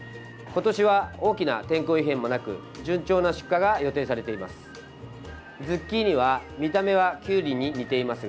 今年は大きな天候異変もなく順調な出荷が予定されています。